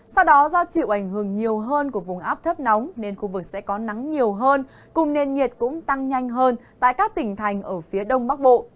sau đó do chịu ảnh hưởng nhiều hơn của vùng áp thấp nóng nên khu vực sẽ có nắng nhiều hơn cùng nền nhiệt cũng tăng nhanh hơn tại các tỉnh thành ở phía đông bắc bộ